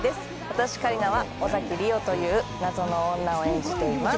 私香里奈は尾崎莉桜という謎の女を演じています